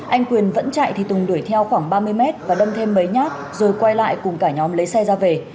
anh quyền vẫn chạy thì tùng đuổi theo khoảng ba mươi mét và đâm thêm mấy nhát rồi quay lại cùng cả nhóm lấy xe ra về